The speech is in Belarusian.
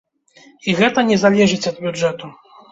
І гэта не залежыць ад бюджэту.